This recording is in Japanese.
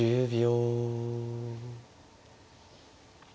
１０秒。